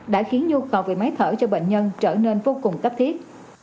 đã khiến nhu cầu về máy thở cho bệnh nhân trở nên vô cùng cấp thiết